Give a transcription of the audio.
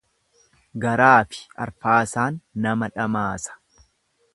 Garaafi arfaasaan nama dhamaasa.